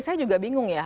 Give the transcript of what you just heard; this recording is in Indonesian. saya juga bingung ya